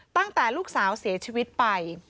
ตั้งแต่ลูกสาวเสียชีวิตไป